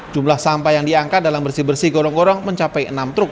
jumlah sampah yang diangkat dalam bersih bersih gorong gorong mencapai enam truk